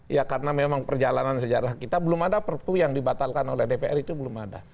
ya karena memang perjalanan sejarah kita belum ada perpu yang dibatalkan oleh dpr itu belum ada